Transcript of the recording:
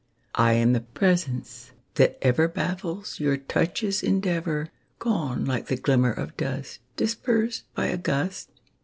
I am the presence that ever Baffles your touch's endeavor, Gone like the glimmer of dust Dispersed by a gust.